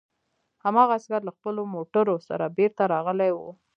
هماغه عسکر له خپلو موټرو سره بېرته راغلي وو